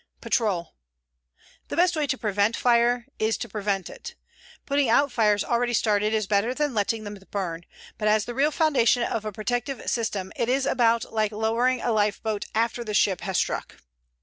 PATROL The best way to prevent fire is to prevent it. Putting out fires already started is better than letting them burn, but as the real foundation of a protective system it is about like lowering a lifeboat after the ship has struck.